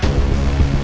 saya mau ke rumah